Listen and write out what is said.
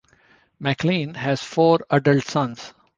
Maclean has four adult sons.